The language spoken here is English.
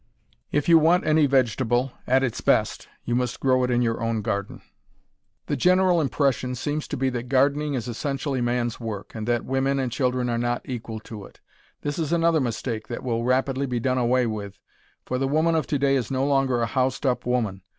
If you want any vegetable at its best you must grow it in your own garden. The general impression seems to be that gardening is essentially man's work, and that women and children are not equal to it. This is another mistake that will rapidly be done away with, for the woman of to day is no longer a housed up woman.